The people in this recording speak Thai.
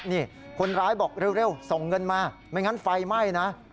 นี่คนร้ายบอกเร็วส่งเงินมาไม่งั้นไฟไหม้นะ